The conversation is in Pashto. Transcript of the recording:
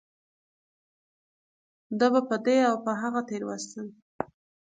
ده به په دې او په هغه تېرويستل .